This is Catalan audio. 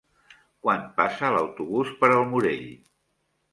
Quan passa l'autobús per el Morell?